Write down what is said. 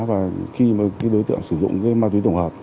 và khi đối tượng sử dụng ma túy tổng hợp